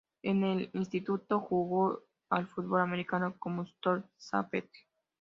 En el instituto, jugó al fútbol americano como strong safety.